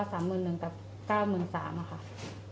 แล้วที่นี่มันยังไงยังไงบ้าง